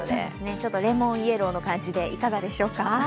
ちょっとレモンイエローの感じでいかがでしょうか。